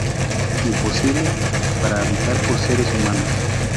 Imposible para habitar por seres humanos"".